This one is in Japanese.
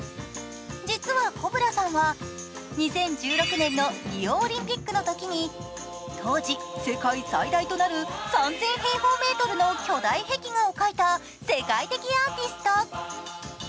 実はコブラさんは、２０１６年のリオオリンピックのときに当時、世界最大となる３０００平方メートルの巨大壁画を描いた世界的アーティスト。